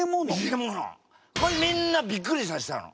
これみんなびっくりさせたの。